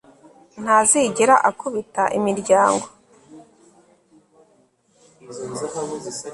Ntazigera akubita imiryango